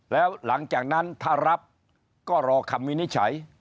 แล้วหลังจากนั้นถ้ารับก็รอคำวินิจฉัย